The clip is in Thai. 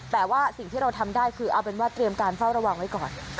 แต่ว่าสิ่งที่เราทำได้คือเอาเป็นว่าเตรียมการเฝ้าระวังไว้ก่อน